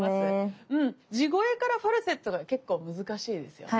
地声からファルセットが結構難しいですよね。